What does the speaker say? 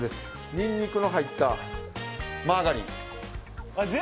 ニンニクの入ったマーガリン